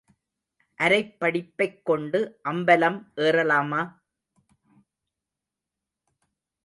அரைப் படிப்பைக் கொண்டு அம்பலம் ஏறலாமா?